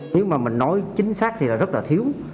nếu mà mình nói chính xác thì là rất là thiếu